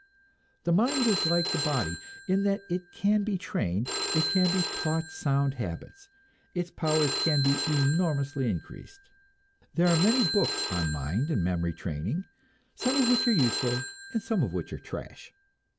The mind is like the body in that it can be trained, it can be taught sound habits, its powers can be enormously increased. There are many books on mind and memory training, some of which are useful, and some of which are trash.